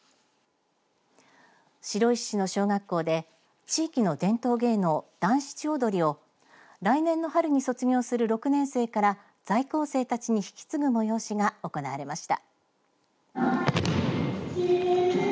白石市の小学校で地域の伝統芸能、団七踊りを来年の春に卒業する６年生から在校生たちに引き継ぐ催しが行われました。